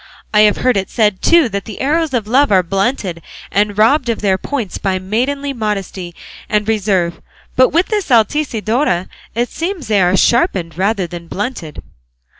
I have heard it said too that the arrows of Love are blunted and robbed of their points by maidenly modesty and reserve; but with this Altisidora it seems they are sharpened rather than blunted."